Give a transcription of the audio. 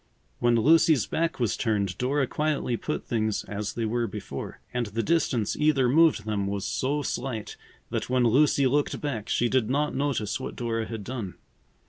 When Lucy's back was turned, Dora quietly put things as they were before. And the distance either moved them was so slight that when Lucy looked back she did not notice what Dora had done.